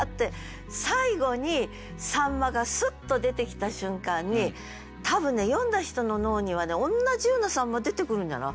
最後に「秋刀魚」がスッと出てきた瞬間に多分ね読んだ人の脳にはね同じような秋刀魚出てくるんじゃない？